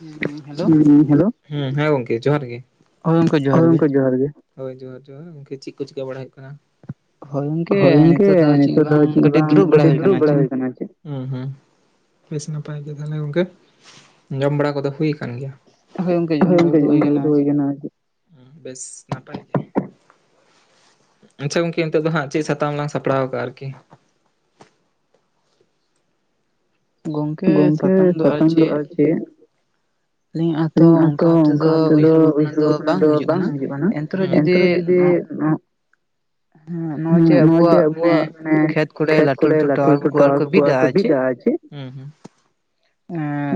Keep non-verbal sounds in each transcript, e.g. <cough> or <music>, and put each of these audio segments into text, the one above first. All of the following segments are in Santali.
ᱦᱩᱸ ᱾ ᱦᱩᱸ ᱦᱮᱞᱳ ᱦᱩᱸ ᱦᱮᱸ ᱜᱚᱢᱠᱮ ᱡᱚᱦᱟᱨ ᱜᱮ ᱦᱮᱸ ᱜᱚᱢᱠᱮ ᱡᱚᱦᱟᱨ ᱜᱮ ᱾ ᱦᱳᱭ ᱡᱚᱦᱟᱨ ᱡᱚᱦᱟᱨ ᱜᱚᱢᱠᱮ ᱪᱮᱫ ᱠᱚ ᱪᱤᱠᱟᱹ ᱵᱟᱲᱟ ᱦᱩᱭᱩᱜ ᱠᱟᱱᱟ? ᱦᱳᱭ ᱜᱚᱢᱠᱮ ᱱᱤᱛᱚᱜ ᱫᱚ ᱪᱮᱫ ᱦᱚᱸ ᱵᱟᱝ ᱠᱟ. ᱴᱤᱡ ᱫᱩᱲᱩᱵ ᱵᱲᱟ ᱦᱩᱭ ᱟᱠᱟᱱᱟ ᱟᱨ ᱪᱮᱫ ᱾ ᱦᱩᱸ ᱦᱩᱸ ᱵᱮᱥ ᱱᱟᱯᱟᱭ ᱜᱮ ᱛᱟᱦᱚᱞᱮ ᱜᱚᱢᱠᱮ ᱾ ᱡᱚᱢ ᱵᱟᱲᱟ ᱠᱚᱫᱚ ᱦᱩᱭ ᱠᱟᱱ ᱜᱮᱭᱟ? ᱦᱳᱭ ᱜᱚᱝᱠᱮ ᱡᱚᱢ ᱵᱟᱲᱟ ᱠᱚᱫᱚ ᱦᱩᱭ ᱟᱠᱟᱱᱟ ᱾ ᱵᱮᱥ ᱱᱟᱴᱟᱭ ᱜᱮ ᱾ ᱟᱪᱪᱷᱟ ᱜᱚᱢᱠᱮ ᱱᱤᱛᱚᱜ ᱫᱚ ᱦᱟᱸᱜ ᱪᱮᱫ ᱥᱟᱛᱟᱢ ᱞᱟᱝ ᱥᱟᱯᱲᱟᱣ ᱠᱟᱜᱼᱟ ᱟᱨᱠᱤ? ᱜᱚᱢᱠᱮ ᱥᱟᱛᱟᱢ ᱫᱚ ᱟᱨ ᱪᱮᱫ, ᱟᱹᱞᱤᱧ ᱦᱚᱸᱛᱚ ᱚᱱᱠᱟ ᱵᱷᱟᱛᱮ ᱫᱚ ᱩᱭᱦᱟᱹᱨ ᱵᱷᱟᱵᱽᱱᱟ ᱫᱚ ᱵᱟᱝ ᱦᱤᱡᱩᱜ ᱠᱟᱱᱟ ᱮᱱᱛᱮ ᱨᱮᱦᱚᱸ ᱡᱩᱫᱤ <inaudible> ᱦᱮᱸ ᱱᱚᱜᱼᱚᱭ ᱡᱮ ᱟᱵᱚᱣᱟᱜ ᱢᱟᱱᱮ ᱠᱷᱮᱛ ᱠᱚᱨᱮ ᱞᱟᱹᱴᱩ ᱞᱟᱹᱴᱩ ᱴᱟᱣᱟᱨ ᱠᱚ ᱵᱤᱫᱟ ᱟᱨ ᱪᱮᱫ ᱦᱩᱸᱦᱩᱸ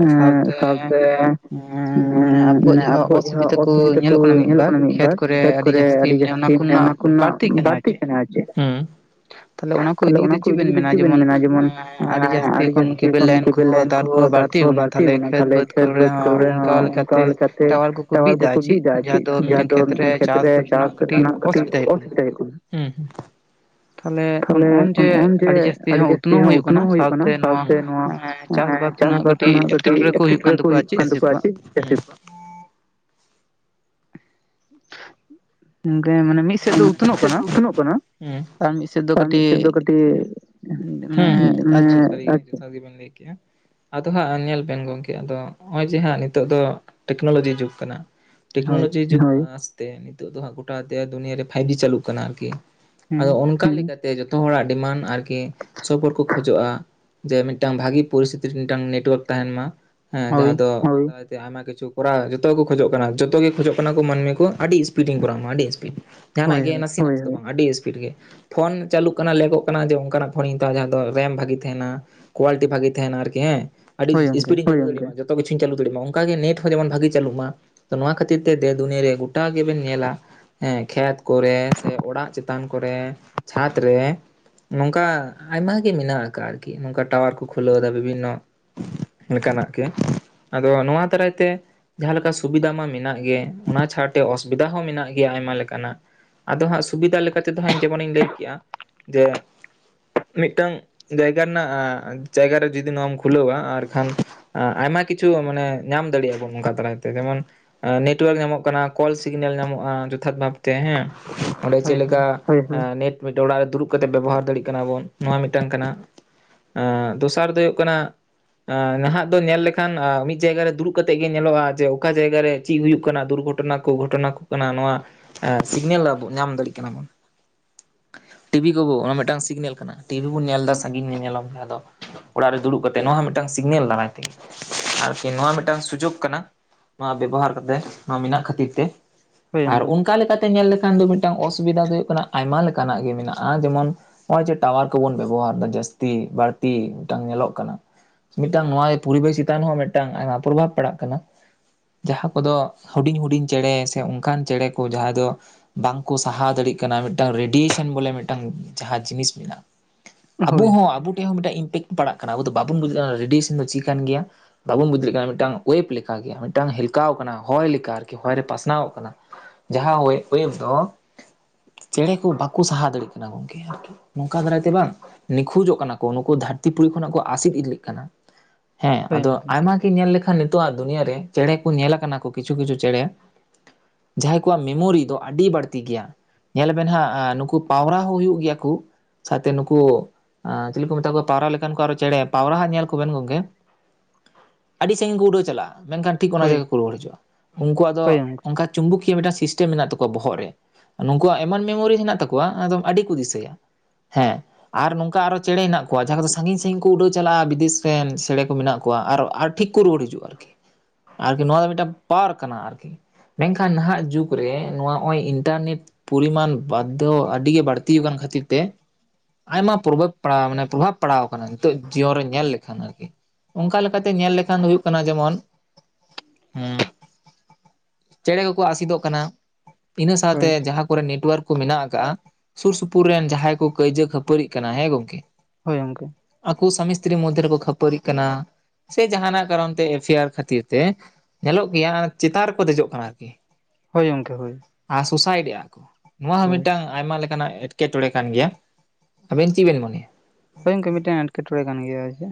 ᱟᱨ ᱥᱟᱶᱛᱮ ᱦᱚᱸ ᱟᱵᱚᱣᱟᱜ ᱡᱟᱦᱟᱸ ᱚᱥᱩᱵᱤᱫᱟ ᱠᱚ ᱧᱮᱞᱚᱜ ᱠᱟᱱᱟ ᱢᱤᱫᱵᱟᱨ ᱠᱷᱮᱫ ᱠᱚ ᱟᱹᱰᱤ ᱡᱟ. ᱥᱛᱤ ᱚᱱᱟ ᱠᱚᱨᱮᱱᱟᱜ ᱵᱟᱹᱲᱛᱤᱜ ᱠᱟᱱᱟ ᱟᱨ ᱪᱮᱫ ᱾ ᱛᱟᱞᱦᱮ ᱚᱱᱟ ᱠᱚ ᱤᱫᱤ ᱠᱟᱛᱮ ᱪᱮᱫ ᱵᱮᱱ ᱢᱮᱱᱟ ᱡᱮᱢᱚᱱ-ᱟ? ᱟᱹᱰᱤ ᱡᱟᱹᱥᱛᱤ ᱠᱮᱵᱮᱞ ᱞᱟᱭᱤᱱ ᱠᱚ, ᱵᱟᱲᱛᱤ ᱠᱟᱱᱟ ᱛᱟᱦᱮ ᱠᱷᱮᱛ ᱵᱟ. ᱫᱽ ᱠᱚ ᱨᱮ ᱦᱚᱸ ᱚᱱᱠᱟ ᱞᱮᱠᱟ ᱛᱮ ᱴᱟᱣᱟᱨ ᱠᱚᱠᱚ ᱵᱤᱫᱟ ᱪᱮᱫ ᱡᱟᱦᱟᱸ ᱫᱚ ᱢᱤᱫᱴᱮᱱ ᱠᱷᱮᱛ ᱨᱮ ᱪᱟᱥ ᱠᱟᱹᱴᱤᱡ ᱚᱥᱩᱵᱤᱫᱷᱟ ᱦᱩ ᱛᱟᱦᱞᱮ ᱱᱚᱜᱼᱚᱭ ᱡᱮ ᱟᱹᱰᱤ ᱡᱟᱹᱥᱛᱤ ᱦᱚᱸ ᱩᱛᱱᱟᱹᱣ ᱦᱩᱭᱩᱜ ᱠᱟᱱᱟ ᱥᱟᱶᱛᱮ ᱱᱚᱣᱟ ᱪᱟᱥ ᱵᱟᱥ ᱨᱮᱱᱟᱜ ᱠᱟᱹᱴᱤᱡ ᱮᱴᱠᱮᱴᱚᱬᱮ ᱠᱚ ᱦᱩᱭᱩᱜ ᱠᱟᱱ ᱛᱟᱠᱚᱣᱟ ᱟᱨ ᱪᱮᱫ ᱪᱟᱹᱥᱤ ᱜᱚᱢᱠᱮ ᱢᱟᱱᱮ ᱢᱤᱫ ᱢᱤᱫ ᱥᱮᱫ ᱫᱚ ᱩᱛᱱᱟᱚᱜ ᱠᱟᱱᱟ ᱟᱨ ᱢᱤᱫ ᱥᱮᱫ ᱫᱚ ᱠᱟᱹᱴᱤᱡ ᱦᱮᱸ ᱦᱩᱸ ᱾ <unintelligible> ᱟᱫᱚ ᱦᱟᱸᱜ ᱧᱮᱞ ᱵᱤᱱ ᱜᱚᱢᱠᱮ ᱟᱫᱚ ᱱᱚᱜᱼᱚᱭ ᱡᱮ ᱦᱟᱸᱜ ᱱᱤᱛᱚᱜ ᱫᱚ ᱴᱮᱠᱱᱳᱞᱚᱡᱤ ᱡᱩᱜᱽ ᱠᱟᱱᱟ, ᱴᱮᱠᱱᱳᱞᱚᱡᱤ ᱡᱩᱜᱽ ᱟᱥᱛᱮ ᱱᱤᱛᱚᱜ ᱫᱚ ᱦᱟᱸᱜ ᱜᱚᱴᱟ ᱫᱮᱥ ᱫᱩᱱᱤᱭᱟ. ᱯᱷᱟᱭᱤᱵ ᱡᱤ ᱪᱟᱹᱞᱩᱜ ᱠᱟᱱᱟ ᱟᱨᱠᱤ ᱾ ᱟᱫᱚ ᱚᱱᱠᱟ ᱞᱮᱠᱟ ᱛᱮ ᱡᱚᱛᱚ ᱦᱚᱲᱟᱜ ᱰᱤᱢᱟᱱᱰ ᱟᱨᱠᱤ ᱥᱩᱨ ᱯᱩᱨ ᱠᱚ ᱠᱷᱚᱡᱚᱜᱼᱟ ᱾ ᱡᱮ ᱢᱤᱫᱴᱟᱝ ᱵᱷᱟᱜᱤ ᱯᱚᱨᱤᱥᱛᱷᱤᱛᱤ ᱨᱮ ᱢᱤᱫᱴᱟᱝ ᱱᱮᱴᱳᱣᱟᱨᱠ ᱛᱟᱸᱦᱮᱱ ᱢᱟ ᱦᱮᱸ ᱡᱟᱦᱟᱸ ᱫᱚ ᱛᱮ ᱟᱭᱢᱟ ᱠᱤᱪᱷᱩ ᱠᱚᱨᱟᱣ ᱡᱚᱛᱚ ᱠᱚ ᱠᱷᱚᱡᱚᱜ ᱠᱟᱱᱟ ᱡᱚᱛᱚ ᱜᱮ ᱠᱷᱚᱡᱚᱜ ᱠᱟᱱᱟ ᱠᱚ ᱢᱟᱹᱱᱢᱤ ᱠᱚ ᱟᱹᱰᱤ ᱤᱥᱯᱨᱤᱰᱤᱧ ᱠᱚᱨᱟᱣ ᱢᱟ ᱟᱹᱰᱤ ᱤᱥᱯᱨᱤᱰ ᱾ ᱡᱟᱦᱟᱱᱟᱜ ᱜᱮ ᱱᱟᱥᱮ ᱫᱚ ᱵᱟᱝ ᱟᱹᱰᱤ ᱤᱥᱯᱨᱤᱰ ᱜᱮ ᱾ ᱯᱷᱳᱱ ᱪᱟᱹᱞᱩᱜ ᱠᱟᱱᱟ ᱞᱮᱠᱚᱜ ᱠᱟᱱᱟ ᱡᱮ ᱚᱱᱠᱟᱱᱟᱜ ᱯᱷᱳᱱᱤᱧ ᱦᱟᱛᱟᱣᱟ ᱡᱟᱦᱟᱸ ᱫᱚ ᱨᱮᱢ ᱵᱷᱟᱜᱮ ᱛᱟᱸᱦᱮᱱᱟ ᱾ ᱠᱳᱣᱟᱞᱤᱴᱤ ᱵᱷᱟᱜᱮ ᱛᱟᱸᱦᱮᱱᱟ ᱟᱨᱠᱤ ᱦᱮᱸ ᱟᱹᱰᱤ ᱤᱥᱯᱨᱤᱰ ᱡᱚᱛᱚ ᱠᱤᱪᱷᱩᱧ ᱪᱟᱹᱞᱩ ᱫᱟᱲᱭᱟᱜ ᱢᱟ ᱚᱱᱠᱟ ᱜᱮ ᱱᱮᱛ ᱦᱚᱸ ᱡᱮᱢᱚᱱ ᱵᱷᱟᱜᱤ ᱪᱟᱞᱩᱜ ᱢᱟ ᱾ ᱱᱚᱣᱟ ᱠᱷᱟᱹᱛᱤᱨ ᱛᱮ ᱫᱮᱥ ᱫᱩᱱᱤᱭᱟᱹ ᱨᱮ ᱜᱚᱴᱟ ᱜᱮᱵᱮᱱ ᱧᱮᱞᱟ ᱦᱮᱸ ᱠᱷᱮᱛ ᱠᱚᱨᱮ, ᱥᱮ ᱚᱲᱟᱜ ᱪᱮᱛᱟᱱ ᱠᱚᱨᱮ, ᱪᱷᱟᱫᱽ ᱨᱮ, ᱱᱚᱝᱠᱟ ᱟᱭᱢᱟ ᱜᱮ ᱢᱮᱱᱟᱜ ᱟᱠᱟᱫ-ᱟ ᱟᱨᱠᱤ ᱱᱚᱝᱠᱟ ᱴᱟᱣᱟᱨ ᱠᱚ ᱠᱷᱩᱞᱟᱹᱣ ᱮᱫᱟ ᱵᱤᱵᱷᱤᱱᱱᱚ ᱚᱱᱠᱟ ᱱᱟᱜ ᱜᱮ ᱟᱫᱚ ᱱᱚᱣᱟ ᱫᱟᱨᱟᱭ ᱛᱮ ᱡᱟᱦᱟᱸ ᱞᱮᱠᱟ ᱥᱩᱵᱤᱫᱷᱟ ᱢᱟ ᱢᱮᱱᱟᱜ ᱜᱮ ᱚᱱᱟ ᱪᱷᱟᱲ ᱛᱮ ᱚᱥᱩᱵᱤᱫᱷᱟ ᱦᱚᱸ ᱢᱮᱱᱟᱜ ᱜᱮ ᱾ ᱜᱮᱭᱟ ᱟᱭᱢᱟ ᱞᱮᱠᱟᱱᱟᱜ ᱟᱫᱚ ᱦᱟᱸᱜ ᱥᱩᱵᱤᱫᱷᱟ ᱞᱮᱠᱟ ᱛᱮᱫᱚ ᱦᱟᱸᱜ ᱡᱮᱢᱚᱱᱤᱧ ᱞᱟᱹᱭ ᱠᱮᱜᱼᱟ ᱡᱮ ᱢᱤᱫᱴᱟᱝ ᱡᱟᱭᱜᱟ ᱨᱮᱱᱟᱜ ᱡᱟᱭᱜᱟ ᱨᱮ ᱡᱩᱫᱤ ᱱᱚᱣᱟᱢ ᱠᱷᱩᱞᱟᱹᱣ-ᱟ ᱟᱨ ᱠᱷᱟᱱ ᱟᱭᱢᱟ ᱠᱤᱪᱷᱩ ᱢᱟᱱᱮ ᱧᱟᱢ ᱫᱟᱲᱮᱭᱟᱜᱼᱟ ᱵᱚᱱ ᱚᱱᱠᱟ ᱫᱟᱨᱟᱭ ᱛᱮ ᱡᱮᱢᱚᱱ ᱱᱮᱴᱚᱳᱣᱟᱨᱠ ᱧᱟᱢᱚᱜ ᱠᱟᱱᱟ, ᱠᱚᱞ ᱥᱤᱜᱽᱱᱮᱞ ᱧᱟᱢᱚᱜᱼᱟ, ᱡᱚᱛᱷᱟᱛ ᱵᱷᱟᱵᱽ ᱛᱮ ᱦᱮᱸ ᱚᱸᱰᱮ ᱪᱮᱫ ᱞᱮᱠᱟ ᱦᱳᱭ ᱦᱳᱭ ᱱᱮᱴ ᱚᱲᱟᱜ ᱨᱮ ᱫᱩᱲᱩᱵ ᱠᱟᱛᱮ ᱵᱮᱵᱚᱦᱟᱨ ᱫᱟᱲᱮᱭᱟᱜ ᱠᱟᱱᱟ ᱵᱚᱱ ᱱᱚᱣᱟ ᱢᱤᱫᱴᱟᱝ ᱠᱟᱱᱟ, ᱫᱚᱥᱟᱨ ᱫᱚ ᱦᱩᱭᱩᱜ ᱠᱟᱱᱟ ᱟᱨ ᱱᱟᱦᱟᱜ ᱫᱚ ᱧᱮᱞ ᱞᱮᱠᱷᱟᱱ ᱢᱤᱫ ᱡᱟᱭᱜᱟ ᱨᱮ ᱫᱩᱲᱩᱵ ᱠᱟᱛᱮᱜ ᱜᱮ ᱧᱮᱞᱚᱜᱼᱟ ᱡᱮ ᱚᱠᱟ ᱡᱟᱭᱜᱟ ᱨᱮ ᱪᱮᱫ ᱦᱩᱭᱩᱜ ᱠᱟᱱᱟ ᱫᱩᱨᱜᱷᱚᱴᱚᱱᱟ ᱜᱷᱚᱴᱚᱱᱟ ᱠᱚ ᱠᱟᱱᱟ ᱱᱚᱣᱟ ᱥᱤᱜᱽᱱᱮᱞ ᱟᱵᱚ ᱧᱟᱢ ᱫᱟᱲᱮᱭᱟᱜ ᱠᱟᱱᱟ ᱵᱚᱱ ᱾ ᱴᱤᱵᱷᱤ ᱠᱚᱵᱚ ᱚᱱᱟ ᱢᱤᱫᱴᱟᱝ ᱥᱤᱜᱽᱱᱮᱞ ᱠᱟᱱᱟ ᱴᱤᱵᱷᱤ ᱵᱚᱱ ᱧᱮᱞ ᱮᱫᱟ ᱥᱟᱺᱜᱤᱧ <unintelligible> ᱟᱫᱚ ᱾ ᱚᱲᱟᱜ ᱨᱮ ᱫᱩᱲᱩᱵ ᱠᱟᱛᱮᱜ ᱱᱚᱣᱟ ᱢᱤᱫᱴᱟᱝ ᱥᱤᱜᱽᱱᱮᱞ ᱫᱟᱨᱟᱭ ᱛᱮ ᱟᱨᱠᱤ ᱱᱚᱣᱟ ᱦᱚᱸ ᱢᱤᱫᱴᱟᱱ ᱥᱩᱡᱳᱜᱽ ᱠᱟᱱᱟ ᱱᱚᱣᱟ ᱵᱮᱵᱚᱦᱟᱨ ᱠᱟᱛᱮ ᱱᱚᱣᱟ ᱢᱮᱱᱟᱜ ᱠᱷᱟᱹᱛᱤᱨ ᱛᱮ ᱟᱨ ᱚᱱᱠᱟ ᱞᱮᱠᱟᱛᱮ ᱧᱮᱞ ᱞᱮᱠᱷᱟᱱ ᱫᱚ ᱢᱤᱫᱴᱟᱱ ᱚᱥᱩᱵᱤᱫᱟ ᱫᱚ ᱦᱩᱭᱩᱜ ᱠᱟᱱᱟ ᱟᱭᱢᱟ ᱞᱮᱠᱟᱱᱟᱜ ᱜᱮ ᱢᱮᱱᱟᱜᱼᱟ ᱡᱮᱢᱚᱱ ᱱᱚᱜᱼᱚᱭ ᱡᱮ ᱴᱟᱣᱟᱨ ᱠᱚᱵᱚᱱ ᱵᱮᱵᱚᱦᱟᱨ ᱫᱟ ᱡᱟᱹᱥᱛᱤ ᱵᱟᱹᱲᱛᱤ ᱢᱤᱫᱴᱟᱝ ᱧᱮᱞᱚᱜ ᱠᱟᱱᱟ ᱢᱤᱫᱴᱟᱝ ᱱᱚᱣᱟ ᱜᱮ ᱯᱚᱨᱤᱵᱮᱥ ᱪᱮᱛᱟᱱ ᱦᱚ ᱢᱤᱫᱴᱟᱝ ᱟᱭᱢᱟ ᱯᱨᱚᱵᱷᱟᱵᱽ ᱯᱟᱲᱟᱜ ᱠᱟᱱᱟ ᱡᱟᱦᱟ ᱠᱚᱫᱚ ᱦᱩᱰᱤᱧ ᱦᱩᱰᱤᱧ ᱪᱮᱬᱮ ᱥᱮ ᱚᱱᱠᱟᱱ ᱪᱮᱬᱮ ᱠᱚ ᱡᱟᱦᱟᱸᱭ ᱫᱚ ᱵᱟᱝᱠᱚ ᱥᱟᱦᱟᱣ ᱫᱟᱲᱮᱭᱟᱜ ᱠᱟᱱᱟ ᱢᱤᱫᱴᱟᱝ ᱨᱮᱰᱤᱭᱮᱥᱚᱱ ᱵᱚᱞᱮ ᱢᱤᱫᱴᱟᱝ ᱡᱟᱦᱟ ᱡᱤᱱᱤᱥ ᱢᱮᱱᱟᱜᱼᱟ ᱟᱵᱚ ᱦᱚ ᱟᱵᱚ ᱴᱷᱮᱡ ᱦᱚ ᱢᱤᱫᱴᱟᱝ ᱤᱱᱴᱮᱠ ᱯᱟᱲᱟᱜ ᱠᱟᱱᱟ ᱟᱵᱚ ᱫᱚ ᱵᱟᱵᱚᱱ ᱵᱩᱡ ᱠᱟᱱᱟ ᱨᱮᱰᱤᱭᱮᱥᱚᱱ ᱫᱚ ᱪᱮᱫ ᱠᱟᱱ ᱜᱮᱭᱟ ᱵᱟᱵᱚᱱ ᱵᱩᱡᱽ ᱫᱟᱲᱮᱭᱟᱜ ᱠᱟᱱᱟ ᱢᱤᱫᱴᱟᱝ ᱩᱭᱮᱵ ᱞᱮᱠᱟᱜᱮ ᱢᱤᱫᱴᱟᱝ ᱦᱮᱞᱠᱟᱣ ᱟᱠᱟᱱᱟ ᱦᱚᱭ ᱞᱮᱠᱟ ᱟᱨᱠᱤ ᱦᱚᱭ ᱨᱮ ᱯᱟᱥᱱᱟᱣ ᱟᱠᱟᱱᱟ ᱡᱟᱦᱟ ᱩᱭ ᱩᱭᱮᱵ ᱫᱚ ᱪᱮᱬᱮ ᱠᱚ ᱵᱟᱠᱚ ᱥᱟᱦᱟ ᱫᱟᱲᱮ ᱭᱟᱜ ᱠᱟᱱᱟ ᱱᱚᱝᱠᱟ ᱫᱟᱨᱟᱭᱛᱮ ᱵᱟᱝ ᱱᱤᱠᱷᱩᱡᱚ ᱚᱜ ᱠᱟᱱᱟ ᱠᱚ ᱱᱩᱠᱩ ᱫᱷᱟᱨᱛᱤ ᱯᱩᱨᱤ ᱠᱷᱚᱱᱟᱜ ᱠᱚ ᱟᱥᱤᱫ ᱤᱫᱤᱜ ᱠᱟᱱᱟ ᱦᱮ ᱟᱫᱚ ᱟᱭᱢᱟ ᱜᱮ ᱧᱮᱞ ᱞᱮᱠᱷᱟᱜ ᱱᱤᱛᱚᱜ ᱟᱜ ᱫᱩᱱᱭᱟᱹ ᱨᱮ ᱪᱮᱬᱮ ᱠᱚ ᱧᱮᱞ ᱟᱠᱟᱱᱟ ᱠᱚ ᱠᱤᱪᱷᱩ ᱠᱤᱪᱷᱩ ᱪᱮᱬᱮ ᱡᱟᱦᱟᱸᱭ ᱠᱚᱣᱟᱜ ᱢᱤᱢᱳᱨᱤ ᱫᱚ ᱟᱰᱤ ᱵᱟᱹᱲᱛᱤ ᱜᱮᱭᱟ ᱧᱮᱞᱵᱮᱱ ᱦᱟᱸᱜ ᱱᱩᱠᱩ ᱯᱟᱣᱨᱟ ᱦᱚ ᱦᱩᱭᱩᱜ ᱜᱮᱭᱟ ᱠᱚ ᱥᱟᱶᱛᱮ ᱱᱩᱠᱩ ᱮ ᱪᱤᱞᱤ ᱠᱚ ᱢᱮᱛᱟ ᱠᱚᱣᱟ ᱯᱟᱣᱨᱟ ᱞᱮᱠᱟᱱ ᱠᱚ ᱟᱨᱚ ᱪᱮᱬᱮ ᱯᱟᱣᱨᱟ ᱦᱚ ᱧᱮᱞ ᱠᱚᱵᱮᱱ ᱜᱚᱝᱠᱮ ᱟᱹᱰᱤ ᱥᱟᱜᱤᱧ ᱠᱚ ᱩᱰᱟᱹᱣ ᱪᱟᱞᱟᱜᱼᱟ ᱢᱮᱱᱠᱷᱟᱱ ᱴᱷᱤᱠ ᱚᱱᱟ ᱡᱟᱭᱜᱟ ᱠᱚ ᱨᱩᱣᱟᱹᱲ ᱦᱤᱡᱩᱜᱼᱟ ᱩᱱᱠᱩᱣᱟᱜ ᱫᱚ ᱚᱱᱠᱟ ᱪᱩᱢᱵᱩᱠᱤᱭᱟᱹ ᱢᱤᱫᱴᱟᱝ ᱥᱤᱥᱴᱮᱢ ᱢᱮᱱᱟᱜ ᱛᱟᱠᱚᱣᱟ ᱵᱚᱦᱚᱜ ᱨᱮ ᱱᱩᱠᱩᱣᱟᱜ ᱮᱢᱟᱱ ᱢᱮᱢᱳᱨᱤ ᱢᱮᱱᱟᱜ ᱛᱟᱠᱚᱣᱟ ᱮᱠᱫᱚᱢ ᱟᱹᱰᱤ ᱠᱚ ᱫᱤᱥᱟᱹᱭᱟ ᱦᱮᱸ ᱟᱨ ᱱᱚᱝᱠᱟ ᱟᱨᱚ ᱪᱮᱬᱮ ᱦᱮᱱᱟᱜ ᱠᱚᱣᱟ ᱡᱟᱦᱟ ᱫᱚ ᱥᱟᱜᱤᱧ ᱥᱟᱜᱤᱧ ᱠᱚ ᱩᱰᱟᱹᱣ ᱪᱟᱞᱟᱜᱼᱟ ᱵᱤᱫᱮᱥ ᱨᱮᱱ ᱪᱮᱬᱮ ᱠᱚ ᱢᱮᱱᱟᱜ ᱠᱚᱣᱟ ᱟᱨᱚ ᱟᱴ ᱴᱷᱤᱠ ᱠᱚ ᱨᱩᱣᱟᱲ ᱦᱤᱡᱩᱜᱟ <inaudible> ᱟᱨᱠᱤ ᱱᱚᱣᱟ ᱫᱚ ᱢᱤᱫᱴᱟᱝ ᱯᱟᱣᱟᱨ ᱠᱟᱱᱟ ᱟᱨᱠᱤ ᱢᱮᱱᱠᱷᱟᱱ ᱱᱟᱦᱟᱜ ᱡᱩᱜᱽ ᱨᱮ ᱱᱚᱣᱟ ᱱᱚᱜᱼᱚᱭ ᱤᱱᱴᱟᱨᱱᱮᱴ ᱯᱚᱨᱤᱢᱟᱱ ᱵᱟᱫᱽᱫᱷᱚ ᱟᱰᱤᱜᱮ ᱵᱟᱹᱲᱛᱤ ᱟᱠᱟᱱ ᱠᱷᱟᱹᱛᱤᱨ ᱛᱮ ᱟᱭᱢᱟ ᱯᱨᱚᱵᱷᱟ ᱯᱟᱲᱟᱶ ᱢᱟᱱᱮ ᱯᱨᱚᱵᱷᱟᱵᱽ ᱯᱟᱲᱟᱣ ᱟᱠᱟᱱᱟ ᱱᱤᱛᱚᱜ ᱡᱤᱭᱚᱱ ᱨᱮ ᱧᱮᱞ ᱞᱮᱠᱷᱟᱱ ᱟᱨᱠᱤ ᱚᱱᱠᱟ ᱞᱮᱠᱟᱛᱮ ᱧᱮᱞ ᱞᱮᱠᱷᱟᱱ ᱦᱩᱭᱩᱜ ᱠᱟᱱᱟ ᱡᱮᱢᱚᱱ ᱦᱩᱸ ᱪᱮᱬᱮ ᱠᱚᱠᱚ ᱟᱥᱤᱫᱚᱜ ᱠᱟᱱᱟ ᱤᱱᱟ ᱥᱟᱶᱛᱮ ᱡᱟᱦᱟ ᱠᱚᱨᱮ ᱱᱮᱴᱳᱣᱟᱨᱠ ᱠᱚ ᱢᱮᱱᱟᱜ ᱟᱠᱟᱜᱟ ᱥᱩᱨ ᱥᱩᱯᱩᱨ ᱨᱮᱱ ᱡᱟᱦᱟᱸᱭ ᱠᱚ ᱠᱟᱹᱭᱡᱟᱹ ᱠᱷᱟᱹᱯᱟᱹᱨᱤᱜ ᱠᱟᱱᱟ ᱦᱮ ᱜᱚᱝᱠᱮ ᱦᱳᱭ ᱜᱚᱢᱠᱮ ᱟᱠᱚ ᱥᱟᱢᱤᱥᱛᱨᱤ ᱢᱚᱫᱽᱫᱷᱮ ᱨᱮᱠᱚ ᱠᱷᱟᱹᱯᱟᱹᱨᱤᱜ ᱠᱟᱱᱟ ᱥᱮ ᱡᱟᱦᱟᱱᱟᱜ ᱠᱟᱨᱚᱱ ᱛᱮ ᱮᱯᱷᱮᱭᱟᱨ ᱠᱷᱟᱹᱛᱤᱨ ᱛᱮ ᱧᱮᱞᱚᱜ ᱜᱮᱭᱟ ᱟᱨ ᱪᱮᱛᱟᱱ ᱨᱮᱠᱚ ᱫᱮᱡᱚᱜ ᱠᱟᱱᱟ ᱟᱨ ᱠᱤ <unintelligible> ᱦᱳᱭ ᱜᱚᱝᱠᱮ ᱦᱳᱭ ᱟᱨ ᱥᱳᱥᱟᱭᱤᱰᱜᱼᱟ ᱠᱚ ᱱᱚᱣᱟ ᱦᱚ ᱢᱤᱫᱴᱟᱝ ᱟᱭᱢᱟ ᱞᱮᱠᱟᱱᱟᱜ ᱮᱴᱠᱮᱴᱚᱬᱮ ᱠᱟᱱ ᱜᱮᱭᱟ ᱟᱵᱮᱱ ᱪᱮᱫ ᱵᱮᱱ ᱢᱚᱱᱮᱭᱟ ᱦᱳᱭ ᱜᱚᱝᱠᱮ ᱢᱤᱫᱴᱮᱱ ᱮᱴᱠᱮᱴᱚᱬᱮ ᱠᱟᱱ ᱜᱮᱭᱟ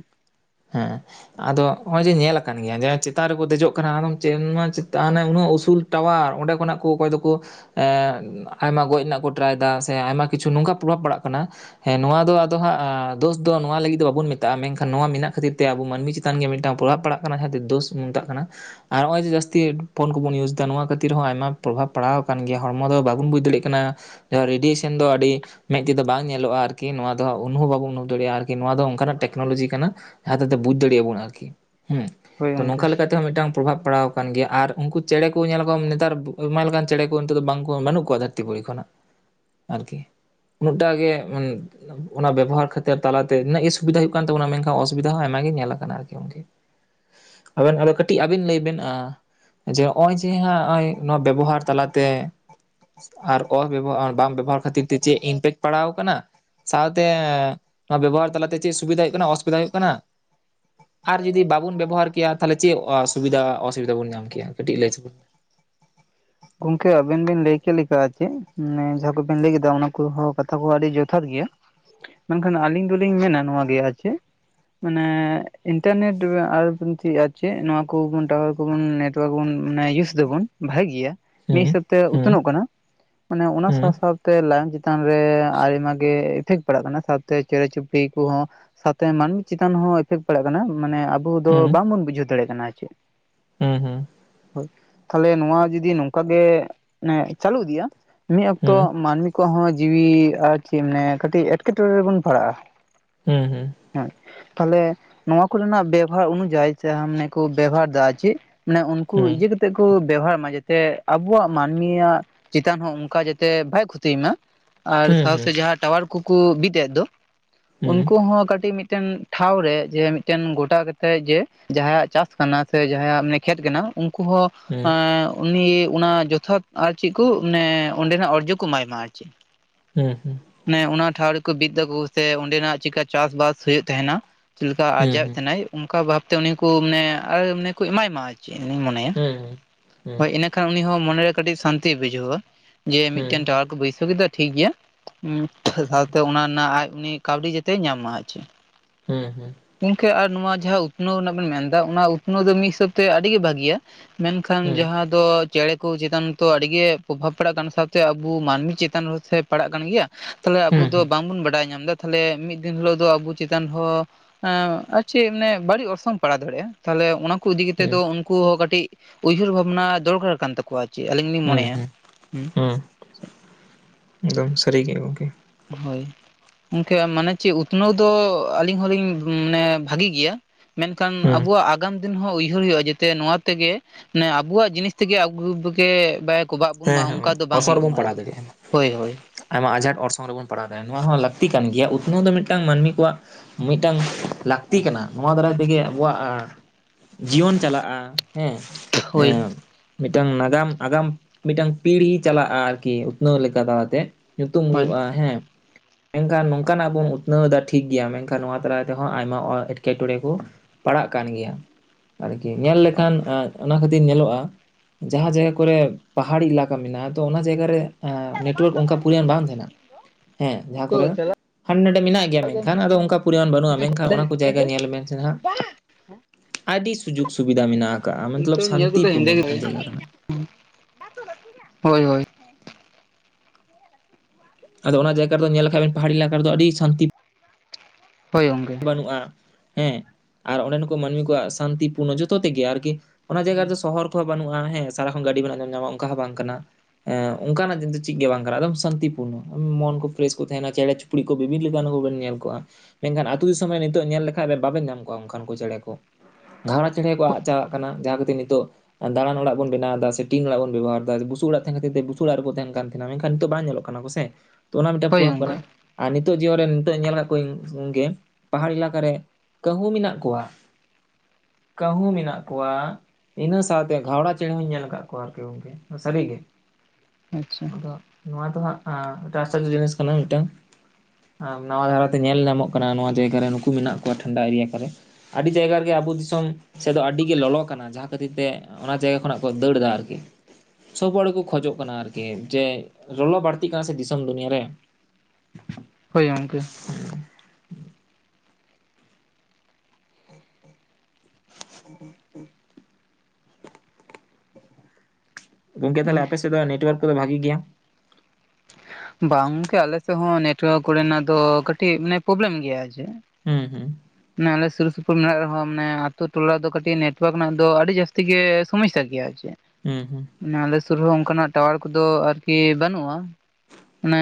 ᱦᱮ ᱟᱫᱚ ᱱᱚᱜᱼᱚᱭ ᱡᱮ ᱧᱮᱞ ᱟᱠᱟᱱ ᱜᱮᱭᱟ ᱡᱮ ᱪᱮᱛᱟᱱ ᱨᱮᱠᱚ ᱫᱮᱡᱚᱜ ᱠᱟᱱᱟ ᱮᱠᱫᱚᱢ ᱪᱮᱢᱱᱟ ᱪᱮᱛᱟᱱ ᱩᱱᱟᱹᱜ ᱩᱥᱩᱞ ᱴᱟᱣᱟᱨ ᱚᱰᱮ ᱠᱷᱚᱱᱟᱜ ᱠᱚ ᱚᱠᱚᱭ ᱫᱚᱠᱚ ᱮᱜ ᱟᱭᱢᱟ ᱜᱚᱡ ᱨᱮᱱᱟᱜ ᱠᱚ ᱴᱨᱟᱭ ᱫᱟ ᱥᱮ ᱟᱭᱢᱟ ᱠᱤᱪᱷᱩ ᱱᱚᱝᱠᱟ ᱯᱨᱚᱵᱷᱟᱵᱽ ᱯᱟᱲᱟᱜ ᱠᱟᱱᱟ ᱦᱮ ᱱᱚᱣᱟ ᱫᱚ ᱟᱫᱚ ᱦᱟᱸᱜ ᱫᱚᱥ ᱫᱚ ᱱᱚᱣᱟ ᱞᱟᱹᱜᱤᱫ ᱫᱚ ᱵᱟᱵᱚᱱ ᱢᱮᱛᱟᱜᱼᱟ ᱢᱮᱱᱠᱷᱟᱱ ᱱᱚᱣᱟ ᱢᱮᱱᱟᱜ ᱠᱷᱟᱹᱛᱤᱨ ᱛᱮ ᱟᱵᱚ ᱢᱟᱹᱱᱢᱤ ᱪᱮᱛᱟᱱ ᱜᱮ ᱢᱤᱫᱴᱟᱝ ᱯᱟᱲᱦᱟᱜ ᱯᱟᱲᱟᱜ ᱠᱟᱱᱟ ᱠᱷᱟᱛᱤᱨ ᱫᱚᱥ ᱵᱚ ᱢᱮᱛᱟᱜ ᱠᱟᱱᱟ ᱟᱨ ᱱᱚᱜᱼᱚᱭ ᱡᱮ ᱡᱟᱹᱥᱛᱤ ᱯᱷᱳᱱ ᱠᱚᱵᱚᱱ ᱤᱭᱩᱡᱽ ᱮᱫᱟ ᱱᱚᱣᱟ ᱠᱷᱟᱹᱛᱤᱨ ᱦᱚ ᱟᱭᱢᱟ ᱯᱨᱚᱵᱷᱟᱵᱽ ᱯᱟᱲᱟᱣ ᱟᱠᱟᱱ ᱜᱮᱭᱟ ᱦᱚᱲᱢᱚ ᱫᱚ ᱵᱟᱵᱚᱱ ᱵᱩᱡ ᱫᱟᱲᱮᱭᱟᱜ ᱠᱟᱱᱟ ᱡᱟᱦᱟ ᱨᱮᱰᱤᱭᱮᱥᱚᱱ ᱫᱚ ᱟᱹᱰᱤ ᱢᱮᱜ ᱛᱮ ᱫᱚ ᱵᱟᱝ ᱧᱮᱞᱚᱜᱼᱟ ᱟᱨᱠᱤ ᱱᱚᱣᱟ ᱫᱚ ᱩᱱᱩᱵᱷᱚᱵ ᱦᱚ ᱵᱟᱵᱚᱱ ᱩᱱᱩᱵᱷᱚᱵ ᱫᱟᱲᱮᱭᱟᱜᱼᱟ ᱟᱨ ᱱᱚᱣᱟ ᱫᱚ ᱚᱱᱠᱟᱱᱟᱜ ᱴᱮᱠᱱᱳᱞᱚᱡᱤ ᱠᱟᱱᱟ ᱦᱟᱛᱮ ᱵᱩᱡ ᱫᱟᱲᱮᱭᱟᱵᱚᱱ ᱟᱨᱠᱤ ᱦᱮ ᱛᱚ ᱱᱚᱝᱠᱟ ᱞᱮᱠᱟ ᱛᱮᱦ ᱦᱚ ᱢᱤᱫᱴᱟᱝ ᱯᱨᱚᱵᱷᱟᱵᱽ ᱯᱟᱲᱟᱣ ᱠᱟᱱ ᱜᱮᱭᱟ ᱟᱨ ᱩᱱᱠᱩ ᱪᱮᱬᱮ ᱠᱚ ᱧᱮᱞ ᱠᱚᱣᱟ ᱱᱮᱛᱟᱨ ᱟᱭᱢᱟ ᱞᱮᱠᱟᱱ ᱪᱮᱬᱮ ᱠᱚ ᱱᱤᱛᱚᱜ ᱫᱚ ᱵᱟᱝ ᱠᱚ ᱵᱟᱹᱱᱩᱜ ᱠᱚᱣᱟ ᱫᱷᱟ ᱛᱤ ᱯᱩᱨᱤ ᱠᱷᱚᱱᱟᱜ ᱟᱨᱠᱤ ᱩᱱᱟᱹᱜᱴᱟ ᱜᱮ ᱚᱱᱟ ᱵᱮᱵᱚᱦᱟᱨ ᱠᱷᱟᱹᱛᱤᱨ ᱛᱟᱞᱟᱛᱮ ᱤᱥᱩᱵᱤᱫᱟ ᱦᱩᱭᱩᱜ ᱠᱟᱱ ᱛᱟᱵᱚᱱᱟ ᱢᱮᱱᱠᱷᱟᱱ ᱚᱥ ᱥᱩᱵᱤᱫᱟ ᱦᱚ ᱟᱭᱢᱟ ᱜᱮ ᱧᱮᱞ ᱟᱠᱟᱱᱟ ᱟᱨᱠᱤ ᱜᱚᱝᱠᱮ ᱟᱵᱮᱱ ᱟᱵᱮᱱ ᱠᱟᱹᱴᱤᱡ ᱟᱵᱤᱱ ᱞᱟᱹᱭ ᱵᱤᱱᱼᱟ ᱡᱮ ᱱᱚᱜᱼᱚᱭ ᱡᱮ ᱦᱟᱜ ᱱᱚᱜᱼᱚᱭ ᱱᱚᱣᱟ ᱵᱮᱵᱚᱦᱟᱨ ᱛᱟᱞᱟᱛᱮ ᱟᱨ ᱚᱼᱵᱮᱵᱚᱦᱚ ᱟᱨ ᱵᱟᱝ ᱵᱮᱵᱚᱦᱟᱨ ᱠᱷᱟᱹᱛᱤᱨ ᱛᱮ ᱪᱮᱜ ᱤᱢᱯᱮᱠᱴ ᱯᱟᱲᱟᱣ ᱠᱟᱱᱟ? ᱥᱟᱶᱛᱮ ᱱᱚᱣᱟ ᱵᱮᱵᱚᱦᱟᱨ ᱛᱟᱞᱟᱛᱮ ᱪᱮ ᱥᱩᱵᱤᱫᱷᱟ ᱦᱩᱭᱩᱜ ᱠᱟᱱᱟ ᱚᱥᱩᱵᱤᱫᱷᱟ ᱦᱩᱭᱩᱜ ᱠᱟᱱᱟ? ᱟᱨ ᱡᱩᱫᱤ ᱵᱟᱵᱚᱱ ᱵᱮᱵᱚᱦᱟᱨ ᱠᱮᱭᱟ ᱛᱟᱦᱞᱮ ᱪᱮᱜ ᱥᱩᱵᱤᱫᱷᱟ ᱚᱼᱥᱩᱵᱤᱫᱟ ᱵᱚᱱ ᱧᱟᱢ ᱠᱮᱭᱟ ᱠᱟᱹᱴᱤᱜ ᱞᱟᱹᱭ ᱥᱚᱫᱚᱨ ᱢᱮ? ᱜᱚᱝᱠᱮ ᱟᱵᱤᱱ ᱵᱤᱱ ᱞᱟᱹᱭ ᱠᱮᱜ ᱞᱮᱠᱟ ᱡᱮ ᱚᱱᱮ ᱡᱟᱦᱟᱸ ᱠᱚᱵᱮᱱ ᱞᱟᱹᱭ ᱠᱮᱫᱟ ᱚᱱᱟ ᱠᱚᱦᱚᱸ ᱠᱟᱛᱷᱟ ᱠᱚ ᱟᱹᱰᱤ ᱡᱚᱛᱷᱟᱛ ᱜᱮᱭᱟ᱾ ᱢᱮᱱᱠᱷᱟᱱ ᱟᱹᱞᱤᱝ ᱫᱚᱞᱤᱝ ᱢᱮᱱᱟ ᱱᱚᱣᱟᱜᱮ ᱟᱨ ᱪᱮ ᱢᱟᱱᱮ ᱤᱱᱴᱟᱨᱱᱮᱴ ᱟᱨ ᱟᱨ <unintelligible> ᱪᱮᱜ ᱱᱚᱣᱟ ᱠᱩ <unintelligible> ᱴᱟᱣᱟᱨ ᱠᱩᱮᱩᱱ ᱱᱮᱴ ᱠᱚᱣᱩᱱ ᱢᱟᱱᱮ ᱤᱭᱩᱥ ᱫᱟᱵᱚᱱ ᱵᱷᱟᱜᱤ ᱜᱤᱭᱟ ᱢᱤᱜ ᱦᱤᱥᱟᱹᱵ ᱛᱮ ᱩᱛᱱᱟᱹᱱᱚᱜ ᱠᱟᱱᱟ᱾ ᱢᱟᱱᱮ ᱚᱱᱟ ᱥᱟᱶ ᱥᱟᱶᱛᱮ ᱞᱟᱭᱚᱝ ᱪᱮᱛᱟᱱ ᱨᱮ ᱟᱭᱢ ᱜᱮ ᱤᱯᱷᱮᱠᱴ ᱯᱟᱲᱟᱜ ᱠᱟᱱᱟ᱾ ᱥᱟᱶᱛᱮ ᱪᱮᱬᱮ ᱪᱤᱯᱲᱤ ᱠᱚᱦᱚᱸ ᱥᱟᱶᱛᱮ ᱢᱟᱹᱱᱢᱤ ᱪᱮᱛᱟᱱ ᱦᱚᱸ ᱤᱯᱷᱮᱠᱴ ᱯᱟᱲᱟᱜ ᱠᱟᱱᱟ᱾ ᱢᱟᱱᱮ ᱟᱵᱚ ᱫᱚ ᱵᱟᱝᱵᱚᱱ ᱵᱩᱡᱷᱟᱹᱣ ᱫᱟᱲᱮᱜ ᱠᱟᱱᱟ ᱟ ᱪᱮᱜ ᱦᱮᱸ ᱦᱩᱸ ᱦᱳᱭ ᱛᱟᱦᱞᱮ ᱱᱚᱣᱟ ᱡᱩᱫᱤ ᱱᱚᱝᱠᱟ ᱜᱮ ᱪᱟᱞᱩ ᱤᱫᱤᱜᱼᱟ ᱢᱤᱜ ᱚᱠᱛᱚ ᱢᱟᱹᱱᱢᱤ ᱠᱚᱦᱚᱸ ᱡᱤᱣᱤ ᱟᱨ ᱪᱮᱜ ᱢᱟᱱᱮ ᱠᱟᱹᱴᱤᱜ ᱮᱴᱠᱮᱴᱚᱬᱮ ᱨᱮᱵᱚᱱ ᱯᱟᱲᱟᱜᱼᱟ᱾ ᱦᱩᱸ ᱦᱩᱸ ᱦᱮᱸ ᱛᱷᱟᱞᱮ ᱱᱚᱣᱟ ᱠᱚᱨᱮᱱᱟᱜ ᱵᱮᱵᱷᱟ ᱚᱱᱩᱡᱟᱭᱤ ᱢᱟᱱᱮ ᱠᱚ ᱵᱮᱵᱷᱟᱨ ᱫᱟ ᱪᱮ ᱢᱟᱱᱮ ᱩᱱᱠᱩ ᱤᱭᱟᱹ ᱠᱟᱛᱮᱜ ᱠᱚ ᱵᱮᱵᱷᱟᱨ ᱢᱟ ᱡᱟᱛᱮᱜ ᱟᱵᱚᱣᱟᱜ ᱢᱟᱹᱱᱢᱤᱭᱟᱜ ᱪᱮᱛᱟᱱ ᱦᱚᱸ ᱚᱱᱠᱟ ᱡᱟᱛᱮᱜ ᱵᱟᱭ ᱠᱷᱚᱛᱤᱭ ᱢᱟ ᱟᱨ ᱥᱟᱶᱛᱮ ᱡᱟᱦᱟᱸ ᱴᱟᱣᱟᱨ ᱠᱩᱠᱩ ᱵᱤᱫ ᱮᱫ ᱫᱚ ᱩᱱᱠᱩ ᱦᱚᱸ ᱠᱟᱹᱴᱤᱜ ᱢᱤ ᱴᱮᱱ ᱴᱷᱟᱶ ᱨᱮ ᱡᱮ ᱢᱤᱴᱮᱱ ᱜᱚᱴᱟ ᱠᱟᱛᱮᱜ ᱡᱮ ᱡᱟᱦᱟᱸᱭᱟᱜ ᱪᱟᱥ ᱠᱟᱱᱟ ᱥᱮ ᱡᱟᱦᱟᱸᱭᱟᱜ ᱢᱟᱱᱮ ᱠᱷᱮᱫ ᱠᱟᱱᱟ᱾ ᱩᱝᱠᱩ ᱦᱚᱸ ᱮᱸ ᱩᱱᱤ ᱚᱱᱟ ᱡᱚᱛᱷᱟᱛ ᱟᱨ ᱪᱮᱜ ᱠᱚ ᱢᱟᱱᱮ ᱚᱸᱰᱮᱱᱟᱜ ᱚᱨᱡᱚ ᱠᱚ ᱮᱢᱟᱭᱢᱟ ᱟᱨ ᱪᱮᱜ ᱦᱩᱸ ᱦᱩᱸ ᱢᱟᱱᱮ ᱚᱱᱟ ᱴᱷᱟᱶ ᱨᱮᱠᱚ ᱵᱤᱫ ᱫᱟᱠᱚ ᱥᱮ ᱚᱸᱰᱮᱱᱟᱜ ᱪᱮᱜᱠᱟ ᱪᱟᱥ ᱵᱟᱟᱥ ᱦᱩᱭᱩᱜ ᱛᱟᱦᱮᱱᱟ ᱪᱮᱞᱮᱠᱟ ᱟᱨᱡᱟᱣᱮᱜ ᱛᱟᱦᱮᱱᱟᱭ ᱚᱱᱠᱟ ᱵᱷᱟᱵᱛᱮ ᱩᱱᱤ ᱠᱚ ᱢᱟᱱᱮ ᱟᱨ ᱢᱟᱱᱮ ᱠᱚ ᱮᱢᱟᱭ ᱢᱟ᱾ ᱪᱮᱜ ᱞᱤᱧ ᱢᱚᱱᱮᱭᱟ ᱦᱳᱭ ᱤᱱᱟᱹᱠᱷᱟᱱ ᱩᱱᱤ ᱦᱚᱸ ᱢᱚᱱᱮᱨᱮ ᱠᱟᱹᱴᱤᱷ ᱥᱟᱱᱛᱤᱭ ᱵᱩᱡᱷᱟᱹᱣᱟ᱾ ᱡᱮ ᱢᱤᱫᱴᱮᱱ ᱴᱟᱣᱟᱨ ᱠᱚ ᱵᱟᱹᱭᱥᱟᱹᱣ ᱠᱮᱫᱟ ᱴᱷᱤᱠᱜᱮᱭᱟ ᱥᱟᱶᱛᱮ ᱚᱱᱟ ᱨᱮᱱᱟᱜ ᱟᱡ ᱩᱱᱤ ᱠᱟᱹᱣᱰᱤ ᱡᱟᱛᱮᱭ ᱧᱟᱢ ᱢᱟ ᱟᱨᱪᱮ ᱦᱮᱸ ᱦᱮᱸ ᱜᱚᱝᱠᱮ ᱟᱨ ᱱᱚᱣᱟ ᱡᱟᱦᱟᱸ ᱩᱛᱱᱟᱹᱣ ᱨᱮᱱᱟᱜ ᱵᱮᱱ ᱢᱮᱱᱫᱟ ᱚᱱᱟ ᱩᱛᱱᱟᱹᱣ ᱫᱚ ᱢᱤᱜ ᱦᱤᱥᱟᱹᱵ ᱛᱮ ᱟᱹᱰᱤᱜᱤ ᱵᱷᱟᱹᱜᱮᱭᱟ᱾ ᱢᱮᱱᱠᱷᱟᱱ ᱡᱟᱦᱟᱸ ᱫᱚ ᱪᱮᱬᱮ ᱠᱚ ᱪᱮᱛᱟᱱ ᱛᱚ ᱟᱹᱰᱤᱜ ᱜᱮ ᱯᱚᱵᱷᱟᱵᱽ ᱯᱟᱲᱟᱜ ᱠᱟᱱ ᱥᱟᱶᱛᱮ ᱟᱵᱚ ᱢᱟᱹᱱᱢᱤ ᱪᱮᱛᱟᱱ ᱨᱮᱥᱮ ᱯᱟᱲᱟᱜ ᱠᱟᱱ ᱜᱮᱭᱟ᱾ ᱛᱟᱞᱮ ᱟᱵᱚ ᱫᱚ ᱵᱟᱝᱵᱩᱱ ᱵᱟᱰᱟᱭ ᱧᱟᱢᱫᱟ ᱛᱷᱟᱞᱮ ᱢᱤᱜ ᱫᱤᱱ ᱦᱤᱞᱳᱜ ᱫᱚ ᱟᱵᱚ ᱪᱮᱛᱟᱱ ᱦᱚᱸ ᱟᱨ ᱪᱮᱜ ᱢᱟᱱᱮ ᱵᱟᱹᱲᱤᱜ ᱚᱨᱥᱚᱝ ᱯᱟᱲᱟᱣ ᱫᱟᱲᱮᱜᱼᱟ᱾ ᱛᱟᱞᱮ ᱚᱱᱟᱠᱩ ᱤᱫᱤ ᱠᱟᱛᱮᱜ ᱫᱚ ᱩᱱᱠᱩ ᱦᱚᱸ ᱠᱟᱹᱴᱤᱜ ᱩᱭᱦᱟᱹᱨ ᱵᱷᱟᱵᱱᱟ ᱫᱚᱨᱠᱟᱨ ᱠᱟᱱ ᱛᱟᱠᱚᱣᱟ᱾ ᱦᱩᱸ ᱦᱩᱸ ᱦᱚᱸ ᱮᱫᱚᱢ ᱥᱟᱹᱨ ᱜᱤ ᱜᱚᱝᱠᱮ᱾ ᱦᱳᱭ ᱚᱝᱠᱮ ᱢᱟᱱᱮ ᱪᱮᱜ ᱩᱛᱱᱟᱹᱣ ᱫᱚ ᱟᱹᱞᱤᱧ ᱦᱚᱞᱤᱧ ᱢᱟᱱᱮ ᱵᱷᱟᱜᱤ ᱜᱮᱭᱟ᱾ ᱢᱮᱱᱠᱷᱟᱱ ᱟᱵᱚᱣᱟᱜ ᱟᱜ ᱜᱟᱢ ᱫᱤᱱ ᱦᱚᱸ ᱩᱭᱦᱟᱹᱨ ᱦᱩᱭᱩᱜᱼᱟ ᱡᱟᱛᱮ ᱱᱚᱣᱟ ᱛᱮᱜᱮ ᱢᱟᱱᱮ ᱟᱵᱚᱣᱟᱜ ᱡᱤᱱᱤᱥ ᱛᱮᱜᱮ ᱟᱜᱩ ᱜᱮ ᱵᱟᱭ ᱠᱚᱵᱟᱜ ᱵᱚᱱ ᱢᱟ ᱚᱱᱠᱟ ᱫᱚ ᱵᱟᱝ ᱦᱩᱭᱩᱜ ᱢᱟ ᱦᱳᱭ ᱦᱳᱭ ᱟᱭᱢᱟ ᱟᱸᱡᱷᱟᱴ ᱚᱨᱥᱚᱝ ᱨᱮᱵᱚᱱ ᱯᱟᱲᱟᱣ ᱫᱟᱲᱮ ᱱᱚᱣᱟ ᱦᱚᱸ ᱞᱟᱹᱠᱛᱤ ᱠᱟᱱ ᱜᱮᱭᱟ ᱩᱛᱱᱟᱹᱣ ᱫᱚ ᱢᱤᱫᱴᱟᱝ ᱢᱟᱹᱱᱢᱤ ᱠᱚᱣᱟᱜ ᱢᱤᱫᱴᱟᱝ ᱞᱟᱹᱠᱛᱤ ᱠᱟᱱᱟ ᱱᱚᱣᱟ ᱫᱟᱨᱟᱭ ᱛᱮᱜᱮ ᱟᱵᱚᱣᱟᱜ ᱟᱸ ᱡᱤᱭᱚᱱ ᱪᱟᱞᱟᱜᱼᱟ ᱦᱮᱸ ᱮᱸ ᱢᱤᱜᱴᱟᱝ ᱱᱟᱜᱟᱢ ᱟᱜᱟᱢ ᱢᱤᱫᱴᱟᱝ ᱯᱤᱲᱦᱤ ᱪᱟᱞᱟᱜᱼᱟ ᱟᱨᱠᱤ ᱩᱛᱱᱟᱹᱣ ᱞᱮᱠᱟ ᱛᱟᱞᱟᱛᱮ ᱧᱩᱛᱩᱢ ᱦᱩᱭᱩᱜᱼᱟ ᱦᱮᱸ᱾ ᱢᱮᱱᱠᱷᱟᱱ ᱱᱚᱝᱠᱟᱱᱟᱜ ᱵᱚᱱ ᱩᱛᱱᱟᱹᱣ ᱮᱫᱟ ᱴᱷᱤᱠ ᱜᱮᱭᱟ ᱢᱮᱱᱠᱷᱟᱱ ᱱᱚᱣᱟ ᱫᱟᱨᱟᱭ ᱛᱮᱦᱚᱸ ᱟᱭᱢᱟ ᱮᱴᱠᱮᱴᱚᱬᱮ ᱠᱚ ᱯᱟᱲᱟᱜ ᱠᱟᱱ ᱜᱮᱭᱟ᱾ ᱟᱬᱤ ᱜᱤ ᱧᱮᱞ ᱞᱮᱠᱷᱟᱱ ᱮᱸ ᱚᱱᱟ ᱠᱷᱟᱹᱛᱤᱨ ᱧᱮᱞᱚᱜᱼᱟ ᱡᱟᱦᱟᱸ ᱡᱟᱭᱜᱟ ᱠᱚᱨᱮ ᱯᱟᱦᱟᱲᱤ ᱮᱞᱟᱠᱟ ᱢᱮᱱᱟᱜᱼᱟ ᱛᱚ ᱚᱱᱟ ᱡᱟᱭᱜᱟᱨᱮ ᱮᱸ ᱱᱮᱴᱳᱣᱟᱨᱠ ᱚᱝᱠᱟ ᱯᱚᱨᱤᱟᱱ ᱵᱟᱝ ᱛᱟᱦᱮᱱᱟ᱾ ᱦᱮᱸ ᱡᱟᱦᱟᱸ ᱠᱚᱨᱮ ᱦᱮᱸ ᱱᱟᱸᱰᱮ ᱢᱮᱱᱟᱜ ᱜᱮᱭᱟ ᱢᱮᱱᱠᱷᱟ ᱟᱫᱚ ᱚᱝᱠᱟ ᱯᱚᱨᱤᱢᱟᱱ ᱵᱟᱹᱱᱩᱜᱼᱟ ᱢᱮᱱᱠᱷᱟᱱ ᱚᱱᱟ ᱠᱚ ᱡᱟᱭᱜᱟ ᱧᱮᱞ ᱵᱮᱱ ᱥᱮ ᱦᱟᱸᱜ ᱟᱹᱰᱤ ᱥᱩᱡᱳᱜᱽ ᱥᱩᱵᱤᱫᱷᱟ ᱢᱮᱱᱟᱜ ᱟᱠᱟᱜᱼᱟ ᱢᱚᱛᱞᱚᱵ ᱥᱟᱱᱛᱤᱯᱩᱨᱱᱚ ᱢᱤᱫᱴᱟᱱ ᱡᱟᱭᱜᱟ ᱠᱟᱱᱟ᱾ ᱦᱳᱭ ᱦᱳᱭ ᱟᱫᱚ ᱚᱱᱟ ᱡᱟᱭᱜᱟ ᱨᱮᱫᱚ ᱧᱮᱞ ᱞᱮᱠᱷᱟᱡ ᱵᱮᱱ ᱯᱟᱦᱟᱲᱤ ᱮᱞᱟᱠᱟ ᱨᱮᱫᱚ ᱟᱹᱰᱤ ᱥᱟᱱᱛᱤ᱾ ᱵᱟᱹᱱᱩᱜᱼᱟ᱾ ᱦᱮᱸ ᱟᱨ ᱚᱸᱰᱮᱱ ᱠᱚ ᱢᱟᱹᱱᱢᱤ ᱠᱚᱣᱟᱜ ᱥᱟᱱᱛᱤ ᱯᱩᱨᱱ ᱡᱚᱛᱚ ᱛᱮᱜᱮ ᱟᱨᱠᱤ ᱚᱱᱟ ᱡᱟᱭᱜᱟ ᱨᱮᱫᱚ ᱥᱚᱦᱚᱨ ᱠᱚᱦᱚᱸ ᱵᱟᱹᱱᱩᱜᱼᱟ᱾ ᱦᱮᱸ ᱥᱟᱨᱟ ᱠᱷᱚᱱ ᱜᱟᱹᱰᱤ ᱵᱮᱱ ᱟᱸᱡᱚᱢ ᱧᱟᱢᱟ ᱚᱱᱠᱟ ᱦᱚᱸ ᱵᱟᱝ ᱠᱟᱱᱟ᱾ ᱦᱮᱸ ᱚᱱᱠᱟᱱᱟᱜ ᱫᱚ ᱪᱮᱫ ᱜᱤ ᱵᱟᱝ ᱠᱟᱱᱟ ᱮᱠᱫᱚᱢ ᱥᱟᱱᱛᱤᱯᱩᱨᱱᱚ ᱢᱚᱱ ᱠᱚ ᱯᱷᱨᱮᱥ ᱠᱚ ᱛᱟᱦᱮᱱᱟ ᱪᱮᱬᱮ ᱪᱩ ᱯᱩᱲᱤᱜ ᱠᱚ ᱵᱤᱵᱷᱤᱱ ᱞᱮᱠᱟᱱ ᱠᱚᱵᱮᱱ ᱧᱮᱞ ᱠᱚᱣᱟ ᱢᱮᱱᱠᱷᱟᱱ ᱛᱩᱭ ᱥᱚᱢᱚᱭ ᱱᱤᱛᱚᱜ ᱧᱮᱞ ᱞᱮᱷᱟᱱ ᱵᱟᱵᱮᱱ ᱧᱟᱢ ᱠᱚᱣᱟ ᱚᱱᱠᱟᱱ ᱪᱮᱬᱮᱸ ᱠᱚ᱾ ᱜᱷᱟᱸᱣᱲᱟ ᱪᱮᱬᱮᱸ ᱦᱚᱠᱚ ᱟᱫ ᱪᱟᱵᱟᱜ ᱠᱟᱱᱟ ᱡᱟᱦᱟᱸ ᱠᱷᱟᱹᱛᱤᱨ ᱱᱤᱛᱚᱜ ᱫᱟᱬᱟᱱ ᱚᱲᱟᱜ ᱵᱚᱱ ᱵᱮᱱᱟᱣᱫᱟ ᱥᱮ ᱴᱤᱱ ᱚᱲᱟᱜ ᱵᱚᱱ ᱵᱚᱵᱚᱦᱟ ᱫᱟ ᱥᱮ ᱵᱩᱥᱩᱵᱽ ᱚᱲᱟᱜ ᱛᱟᱦᱮᱱ ᱠᱷᱟᱹᱛᱤᱨ ᱛᱮ ᱵᱩᱥᱩᱵᱽ ᱚᱲᱟᱜ ᱨᱮᱠᱚ ᱛᱟᱦᱮ ᱠᱟᱱ ᱛᱟᱦᱮᱱᱟ ᱢᱮᱱᱠᱷᱟᱱ ᱱᱤᱛᱚᱜ ᱵᱟᱝ ᱧᱮᱞᱚᱜ ᱠᱟᱱᱟ ᱠᱟᱱᱟ ᱠᱚᱥᱮ ᱛᱚ ᱚᱱᱟ ᱢᱤᱫᱴᱟᱝ ᱯᱨᱚᱵᱷᱟᱵᱽ ᱠᱟᱱᱟ ᱟᱨ ᱱᱤᱛᱚᱜ ᱡᱤᱭᱚᱱ ᱨᱮ ᱱᱤᱛᱚᱜ ᱧᱮᱞ ᱟᱠᱟᱫ ᱠᱚᱣᱟᱧ ᱜᱚᱢᱠᱮ᱾ ᱯᱟᱦᱟᱲᱤ ᱮᱞᱟᱠᱟ ᱨᱮ ᱠᱟᱹᱦᱩ ᱢᱮᱱᱟᱜ ᱠᱚᱣᱟ᱾ ᱠᱟᱹᱦᱩ ᱢᱮᱱᱟᱜ ᱠᱚᱣᱟ ᱤᱱᱟᱹ ᱥᱟᱶᱛᱮ ᱜᱷᱣᱲᱟ ᱪᱮᱬᱮ ᱦᱚᱸᱧ ᱧᱮᱞ ᱟᱠᱟᱫ ᱠᱚᱣᱟ ᱟᱨᱠᱤ ᱜᱚᱝᱠᱮ ᱥᱟᱹᱨᱤᱜᱮ᱾ ᱟᱪᱪᱷᱟ᱾ ᱱᱚᱣᱟ ᱫᱚ ᱦᱟᱸᱜ ᱥᱟ. ᱨᱤ ᱡᱤᱱᱤᱥ ᱠᱟᱱᱟ ᱢᱤᱫᱴᱟᱝ᱾ ᱱᱟᱣᱟ ᱫᱷᱟᱨᱟ ᱛᱮ ᱧᱮᱞ ᱧᱟᱢᱚᱜ ᱠᱟᱱᱟ᱾ ᱱᱚᱣᱟ ᱡᱟᱭᱜᱟᱨᱮ ᱱᱩᱠᱩ ᱢᱮᱱᱟᱜ ᱠᱚᱣᱟ ᱴᱷᱟᱱᱰᱟ ᱮᱨᱤᱭᱟ ᱠᱚᱨᱮ᱾ ᱟᱹᱰᱤ ᱡᱟᱭᱜᱟ ᱨᱮᱜᱮ ᱟᱵᱚ ᱫᱤᱥᱚᱢ ᱥᱮ ᱫᱚ ᱟᱹᱰᱤ ᱜᱮ ᱞᱚᱞᱚ ᱠᱟᱱᱟ᱾ ᱡᱟᱦᱟᱸ ᱠᱷᱟᱹᱛᱤᱨ ᱛᱮ ᱚᱱᱟ ᱡᱟᱭᱜᱟ ᱠᱷᱚᱱᱟᱜ ᱠᱚ ᱫᱟᱹᱲ ᱮᱫᱟ ᱟᱨᱠᱤ᱾ ᱥᱚᱵ ᱦᱚᱲ ᱜᱮ ᱠᱚ ᱠᱷᱚᱡᱚᱜ ᱠᱟᱱᱟ ᱟᱨᱠᱤ ᱡᱮ ᱞᱚᱞᱚ ᱵᱟᱹᱲᱛᱤᱜ ᱠᱟᱱᱟ ᱥᱮ ᱫᱤᱥᱚᱢ ᱫᱩᱱᱤᱭᱟᱹ ᱨᱮ᱾ ᱦᱳᱭ ᱜᱚᱝᱠᱮ᱾ <inaudible> ᱜᱚᱝᱠᱮ ᱛᱟᱦᱚᱞᱮ ᱟᱯᱮᱥᱮᱫ ᱫᱚ ᱱᱮᱴᱳᱣᱟᱨᱠ ᱠᱚᱫᱚ ᱵᱷᱟᱜᱤ ᱜᱮᱭᱟ? ᱵᱟᱝ ᱜᱚᱢᱠᱮ ᱟᱞᱮᱥᱮᱫ ᱦᱚᱸ ᱱᱮᱴᱚᱣᱟᱨᱠ ᱠᱚ ᱨᱮᱱᱟᱜ ᱫᱚ ᱠᱟᱹᱴᱤᱡ ᱢᱟᱱᱮ ᱯᱨᱚᱵᱞᱮᱢ ᱜᱮᱭᱟ ᱡᱮ ᱦᱩᱸ ᱦᱩᱸ᱾ ᱟᱞᱮ ᱥᱩᱨ ᱥᱩᱯᱩᱨ ᱢᱮᱱᱟᱜ ᱨᱮᱦᱚᱸ ᱢᱟᱱᱮ ᱟᱛᱳ ᱴᱚᱞᱟ ᱨᱮᱫᱚ ᱠᱟᱹᱴᱤᱡ ᱱᱮᱴᱚᱣᱟᱨᱠ ᱨᱮᱱᱟᱜ ᱫᱚ ᱟᱰᱤ ᱡᱟᱹᱟᱥᱛᱤ ᱛᱮᱜᱮ ᱥᱚᱢᱚᱥᱥᱟ ᱜᱮᱭᱟ ᱪᱮ ᱦᱩᱸ ᱦᱩᱸ᱾ ᱱᱟᱞᱮ ᱥᱩᱨ ᱦᱚᱸ ᱚᱱᱠᱟᱱᱟᱜ ᱴᱟᱣᱟᱨ ᱠᱚᱫᱚ ᱟᱨᱠᱤ ᱵᱟᱹᱱᱩᱜᱼᱟ᱾ ᱟᱱᱮ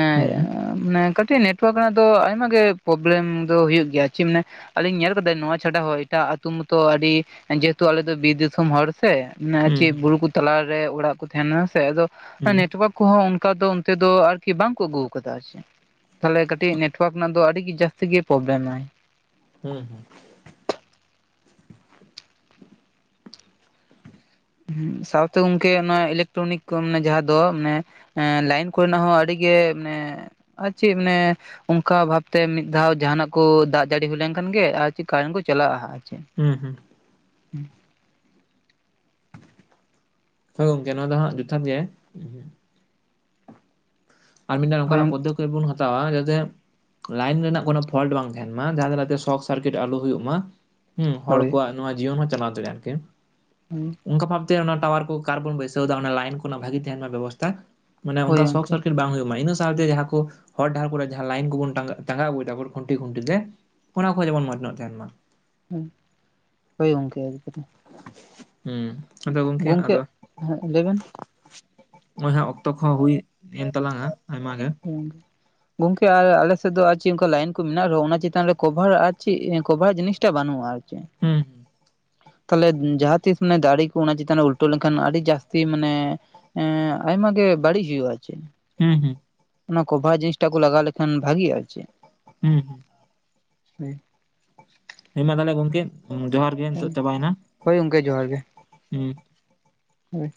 ᱢᱟᱱᱮ ᱠᱟᱹᱴᱤᱡ ᱱᱮᱴᱣᱟᱨᱠ ᱨᱮᱱᱟᱜ ᱫᱚ ᱟᱭᱢᱟ ᱜᱮ ᱯᱨᱚᱵᱞᱮᱢ ᱫᱚ ᱦᱩᱭᱩᱜ ᱜᱮᱭᱟ ᱪᱮ ᱢᱟᱱᱮ ᱟᱞᱤᱧ ᱧᱮᱞ ᱟᱠᱟᱫᱟ ᱱᱚᱣᱟ ᱪᱷᱟᱰᱟ ᱦᱚᱸ ᱮᱴᱟᱜ ᱟᱛᱩ ᱢᱚᱛᱚ ᱟᱹᱰᱤ ᱡᱮᱦᱮᱛᱩ ᱟᱞᱮ ᱫᱚ ᱵᱤᱨ ᱫᱤᱥᱚᱢ ᱦᱚᱲ ᱥᱮ ᱢᱟᱱᱮ ᱪᱮᱫ ᱵᱩᱨᱩ ᱛᱟᱞᱟᱨᱮ ᱚᱲᱟᱜ ᱠᱚ ᱛᱟᱦᱮᱸᱱᱟ ᱥᱮ ᱟᱫᱚ ᱱᱮᱴᱚᱣᱟᱨᱠ ᱠᱚᱦᱚᱸ ᱚᱱᱠᱟ ᱫᱚ ᱚᱱᱛᱮ ᱫᱚ ᱠᱤ ᱵᱟᱝ ᱠᱚ ᱟᱹᱜᱩ ᱟᱠᱟᱫᱟ ᱟᱨ ᱪᱮᱫ ᱛᱟᱦᱚᱞᱮ ᱠᱟᱹᱴᱤᱡ ᱱᱮᱴᱚᱣᱟᱨᱠ ᱨᱮᱱᱟᱜ ᱫᱚ ᱟᱹᱰᱤ ᱜᱤ ᱡᱟᱹᱥᱛᱤ ᱜᱮ ᱯᱨᱚᱵᱞᱮᱢᱟᱭ᱾ ᱦᱩᱸ ᱦᱩᱸ᱾ ᱦᱩ ᱥᱟᱶᱛᱮ ᱜᱚᱝᱠᱮ ᱱᱚᱣᱟ ᱤᱞᱮᱠᱴᱨᱚᱱᱤᱠ ᱡᱟᱦᱟᱸ ᱫᱚ ᱢᱟᱱᱮ ᱮᱸ ᱞᱟᱭᱤᱱ ᱠᱚᱨᱮᱱᱟᱜ ᱦᱚᱸ ᱟᱹᱰᱤ ᱜᱮ ᱢᱟᱱᱮ ᱟᱨ ᱪᱮᱫ ᱢᱟᱱᱮ ᱚᱱᱠᱟ ᱵᱷᱟᱵᱛᱮ ᱢᱤᱫ ᱫᱷᱟᱣ ᱡᱟᱦᱱᱟᱜ ᱠᱚ ᱫᱟᱜᱽ ᱡᱟᱹᱲᱤ ᱦᱩᱭ ᱞᱮᱱᱠᱷᱟᱱ ᱜᱮ ᱟᱨ ᱪᱮᱫ ᱠᱟᱨᱮᱱᱴ ᱠᱚ ᱪᱟᱞᱟᱜᱼᱟ ᱟᱨ ᱪᱮᱫ ᱦᱩᱸ ᱦᱩᱸ᱾ ᱦᱳᱭ ᱜᱚᱝᱠᱮ ᱱᱚᱣᱟ ᱫᱚ ᱦᱟᱸᱜ ᱡᱚᱛᱷᱟᱛ ᱜᱮ᱾ ᱟᱨ ᱢᱤᱫᱴᱮᱱ ᱱᱚᱝᱠᱟᱱᱟᱜ ᱯᱚᱫᱚᱠᱷᱮᱯ ᱵᱚᱱ ᱦᱟᱛᱟᱣᱟ ᱡᱟᱛᱮ ᱞᱟᱭᱤᱱ ᱨᱮᱱᱟᱜ ᱠᱳᱱᱳ ᱯᱷᱚᱞᱴ ᱵᱟᱝ ᱛᱟᱦᱮᱱ ᱢᱟ ᱡᱟᱦᱟᱸ ᱛᱟᱞᱟ ᱛᱮ ᱥᱚᱨᱴ ᱥᱟᱨᱠᱤᱴ ᱟᱞᱚ ᱦᱩᱭᱩᱜ ᱢᱟ᱾ ᱦᱮᱸ ᱦᱚᱲ ᱠᱚᱣᱟᱜ ᱱᱚᱣᱟ ᱡᱤᱭᱚᱱ ᱦᱚᱸ ᱪᱟᱞᱟᱣ ᱫᱟᱲᱮᱭᱟᱜᱼᱟ ᱟᱨᱠᱤ᱾ ᱦᱮᱸ᱾ ᱚᱱᱠᱟ ᱵᱷᱟᱵᱛᱮ ᱚᱱᱟ ᱴᱟᱣᱟᱨ ᱠᱚ ᱠᱟᱨ ᱵᱚᱱ ᱵᱟᱹᱭᱥᱟᱹᱣ ᱮᱫᱟ ᱚᱱᱟ ᱞᱟᱭᱤᱱ ᱠᱚ ᱚᱱᱟ ᱵᱷᱟᱜᱤ ᱛᱟᱦᱮᱱ ᱢᱟ ᱵᱮᱵᱚᱥᱛᱟ ᱢᱟᱱᱮ ᱚᱱᱠᱟ ᱥᱚᱨᱠ ᱥᱟᱨᱠᱤᱴ ᱵᱟᱝ ᱦᱩᱭᱩᱜ ᱢᱟ ᱤᱱᱟᱹ ᱥᱟᱶᱛᱮ ᱡᱟᱦᱟᱸ ᱠᱚ ᱦᱚᱨ ᱰᱟᱦᱟᱨ ᱠᱚᱨᱮ ᱡᱟᱦᱟᱸ ᱞᱟᱭᱤᱱ ᱠᱚ ᱵᱚᱱ ᱴᱟᱸ ᱜᱟ ᱴᱟᱸᱜᱟᱣ ᱟᱹᱜᱩᱭᱮᱫᱟ ᱵᱚᱱ ᱠᱷᱩᱱᱴᱤ ᱠᱷᱩᱱᱴᱤ ᱛᱮ ᱚᱱᱟ ᱠᱚᱦᱚᱸ ᱡᱮᱢᱚᱱ ᱢᱚᱸᱡᱽ ᱧᱚᱜ ᱛᱟᱦᱮᱱ ᱢᱟ᱾ ᱦᱮᱸ ᱦᱳᱭ ᱜᱚᱝᱠᱮ ᱟᱰᱤ ᱦᱩᱸ ᱟᱫᱚ ᱜᱚᱝᱠᱮ ᱟᱫᱚ ᱦᱚᱜᱼᱚᱭ ᱦᱟᱸᱜ ᱚᱠᱛᱚ ᱠᱚ ᱦᱚᱸ ᱦᱩᱭ ᱮᱱ ᱛᱟᱞᱟᱝᱼᱟ ᱟᱭᱢᱟ ᱜᱮ ᱦᱮ᱾ ᱜᱚᱝᱠᱮ ᱟᱨ ᱟᱞᱮᱥᱮᱫ ᱫᱚ ᱟᱨ ᱪᱮᱫ ᱚᱱᱠᱟ ᱞᱟᱭᱤᱱ ᱠᱚ ᱢᱮᱱᱟᱜ ᱨᱮᱦᱚᱸ ᱚᱱᱟ ᱪᱮᱛᱟᱱ ᱨᱮ ᱠᱚᱵᱷᱟᱨ ᱟᱨ ᱪᱮᱫ ᱠᱚᱵᱷᱟᱨ ᱡᱤᱱᱤᱥᱴᱟ ᱵᱟᱹᱱᱩᱜᱼᱟ ᱟᱨᱠᱤ᱾ ᱪᱮᱸ ᱛᱟᱦᱞᱮ ᱡᱟᱦᱟᱸ ᱛᱤᱥ ᱢᱟᱱᱮ ᱫᱟᱨᱮ ᱠᱚ ᱚᱱᱟ ᱪᱮᱛᱟᱱ ᱩᱞᱴᱟᱹᱣ ᱞᱮᱱᱠᱷᱟᱱ ᱟᱹᱰᱤ ᱡᱟᱹᱥᱛᱤ ᱢᱟᱱᱮ! ᱮᱸ ᱟᱭᱢᱟ ᱜᱮ ᱵᱟᱹᱲᱤᱡᱽ ᱦᱩᱭᱩᱜᱼᱟ ᱪᱮᱫ᱾ ᱦᱮᱸ ᱦᱮᱸ ᱚᱱᱟ ᱠᱚᱵᱷᱟᱨ ᱡᱤᱱᱤᱥ ᱴᱟ ᱠᱚ ᱞᱟᱜᱟᱣ ᱞᱮᱠᱷᱟᱱ ᱵᱷᱟᱜᱤ ᱟᱨ ᱪᱮᱫ ᱦᱩᱸ ᱦᱩ <unintelligible> ᱦᱮᱸ ᱢᱟ ᱛᱟᱦᱚᱞᱮ ᱜᱚᱝᱠᱮ ᱡᱚᱦᱟᱨ ᱜᱮ ᱱᱤᱛᱚᱜ ᱪᱟᱵᱟᱭᱮᱱᱟ ᱦᱩᱸ ᱾ ᱦᱳᱭ